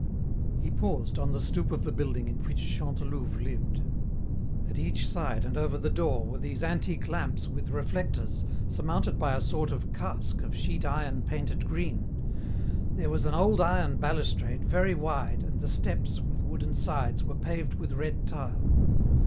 He paused on the stoop of the building in which Chantelouve lived. At each side and over the door were these antique lamps with reflectors, surmounted by a sort of casque of sheet iron painted green. There was an old iron balustrade, very wide, and the steps, with wooden sides, were paved with red tile.